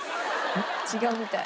違うみたい。